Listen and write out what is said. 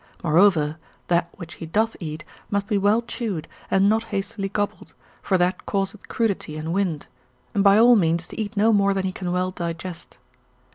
Moreover, that which he doth eat, must be well chewed, and not hastily gobbled, for that causeth crudity and wind; and by all means to eat no more than he can well digest.